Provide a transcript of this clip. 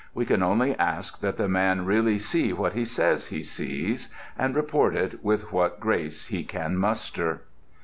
We can only ask that the man really see what he says he sees, and report it with what grace he can muster.